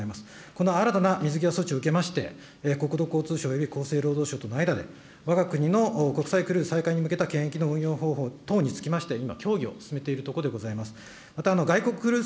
この新たな水際措置を受けまして、国土交通省より厚生労働省との間で、わが国の国際クルーズ再開に向けた検疫の運用方法等につきまして、今、協議を進めているところでございます。